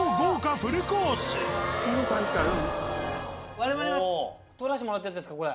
我々が採らしてもらったやつですか？